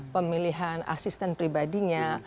dan juga dengan asisten pribadinya